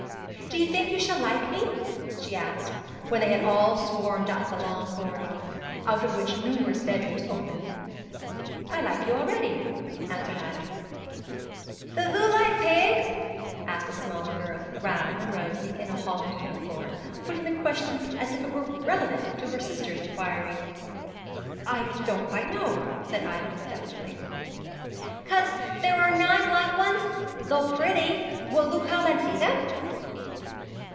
'Do you think you shall like me?' she asked, when they had all swarmed up to the long corridor, out of which numerous bedrooms opened. 'I like you already,' answered Ida. 'Do thoo like pigs?' asked a smaller girl, round and rosy, in a holland pinafore, putting the question as if it were relevant to her sister's inquiry. 'I don't quite know,' said Ida doubtfully. ''Cos there are nine black oneths, tho pwutty. Will thoo come and thee them?'